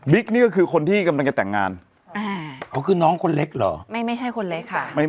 นี่ก็คือคนที่กำลังจะแต่งงานเขาคือน้องคนเล็กเหรอไม่ใช่คนเล็กค่ะ